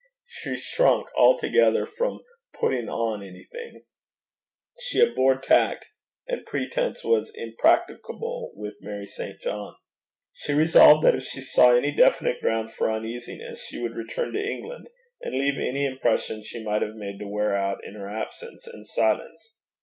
She shrunk altogether from putting on anything; she abhorred tact, and pretence was impracticable with Mary St. John. She resolved that if she saw any definite ground for uneasiness she would return to England, and leave any impression she might have made to wear out in her absence and silence.